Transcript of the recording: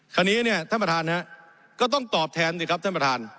คราวนี้เนี่ยท่านประธานฮะก็ต้องตอบแทนสิครับท่านประธาน